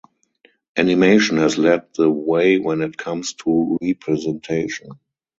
Animation has led the way when it comes to representation.